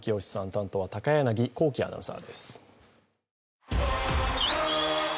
担当は高柳光希アナウンサーです。